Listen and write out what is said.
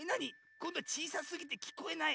こんどはちいさすぎてきこえない？